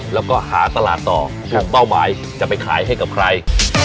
แล้วก็หาตลาดต่อถูกเป้าหมายจะไปขายให้กับใคร